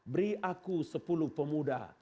beri aku sepuluh pemuda